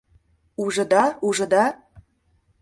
— Ужыда-ужыда.